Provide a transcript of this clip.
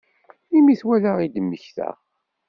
Imi i t-walaɣ i d-mmektaɣ.